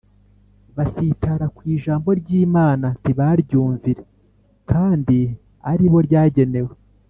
basitara ku ijambo ry’imana ntibaryumvire kandi ari bo ryagenewe’